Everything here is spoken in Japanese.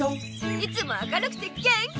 いつも明るくて元気！